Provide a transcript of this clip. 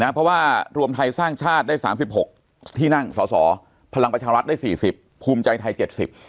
เพราะว่ารวมไทยสร้างชาติได้๓๖ที่นั่งสสพลังประชาวรัฐได้๔๐ภูมิใจไทย๗๐